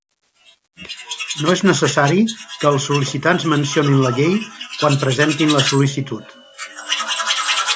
No és necessari que els sol·licitants mencionin la llei quan pressentin la sol·licitud.